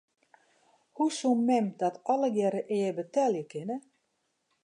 Hoe soe mem dat allegearre ea betelje kinne?